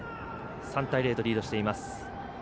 ３対０とリードしています。